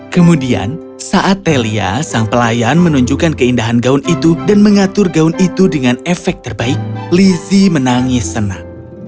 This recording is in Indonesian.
kemudian saat telia sang pelayan menunjukkan keindahan gaun itu dan mengatur gaun itu dengan efek terbaik lizzie menangis senang